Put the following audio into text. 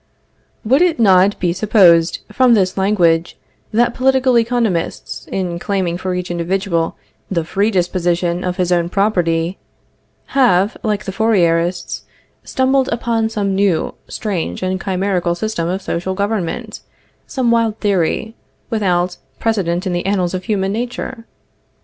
] Would it not be supposed from this language that political economists, in claiming for each individual the free disposition of his own property, have, like the Fourierists, stumbled upon some new, strange, and chimerical system of social government, some wild theory, without precedent in the annals of human nature?